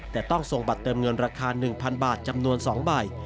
แต่ต้องส่งบัตรเติมเงินราคา๑๐๐บาทจำนวน๒ใบ